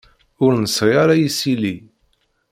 Ur nesri ara isili.